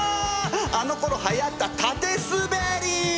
あのころはやった縦すべり！